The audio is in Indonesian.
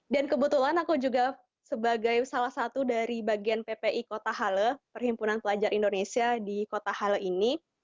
dan kebetulan aku juga sebagai salah satu dari bagian ppi kota halle perhimpunan pelajar indonesia di kota halle ini